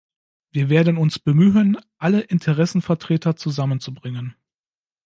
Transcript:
Wir werden uns bemühen, alle Interessenvertreter zusammenzubringen.